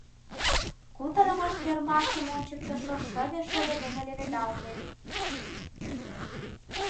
Кутырымышт ӧрмашым ончыктышо шыве-шыве дене леведалте.